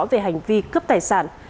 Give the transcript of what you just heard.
về hành vi cướp tài sản